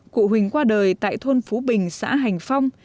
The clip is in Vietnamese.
cụ huỳnh qua đời tại thôn phú bình xã hành phong